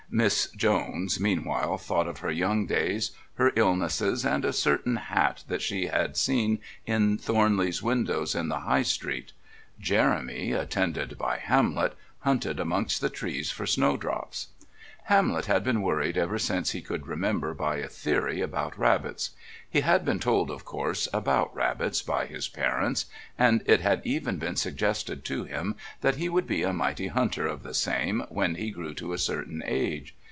Miss Jones meanwhile thought of her young days, her illnesses and a certain hat that she had seen in Thornley's windows in the High Street. Jeremy, attended by Hamlet, hunted amongst the trees for snowdrops. Hamlet had been worried ever since he could remember by a theory about rabbits. He had been told, of course, about rabbits by his parents, and it had even been suggested to him that he would be a mighty hunter of the same when he grew to a certain age.